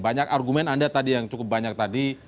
banyak argumen anda tadi yang cukup banyak tadi